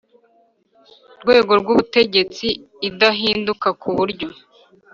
Rwego rw ubutegetsi idahinduka ku buryo